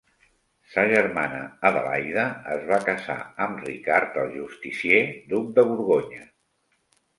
Sa germana Adelaida es va casar amb Ricard el Justicier, duc de Borgonya.